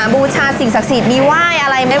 บูชาสิ่งศักดิ์สิทธิ์มีไหว้อะไรไหม